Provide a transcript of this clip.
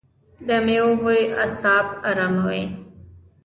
د میوو بوی اعصاب اراموي.